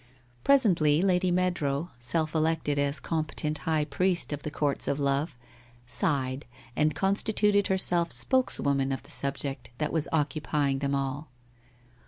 Presently Lady Meadrow, self elected as competent high priestess of the Courts of Love, sighed and constituted herself spokeswoman of the subject that was occupying them all.